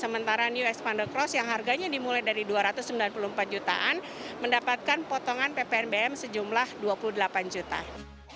sementara new expande cross yang harganya dimulai dari dua ratus sembilan puluh empat jutaan mendapatkan potongan ppnbm sejumlah dua puluh delapan juta